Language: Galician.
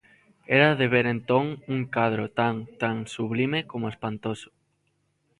Era de ver entón un cadro tan tan sublime como espantoso.